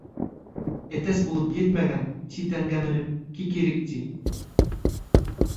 Әтәс булып етмәгән, ситәнгә менеп «кикерик», ти.